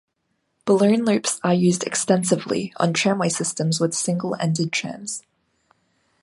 Balloon loops are used extensively on tramway systems with single-ended trams.